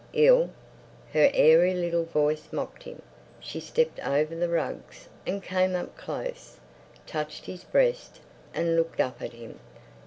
"Ill?" Her airy little voice mocked him. She stepped over the rugs, and came up close, touched his breast, and looked up at him.